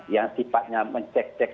yang sifatnya mencek cek